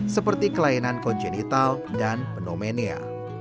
seperti kelainan kogenital dan penomenia